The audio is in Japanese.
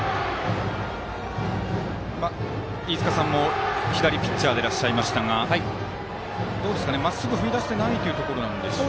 飯塚さんも左ピッチャーでいらっしゃいましたがまっすぐ踏み出していないということでしょうか。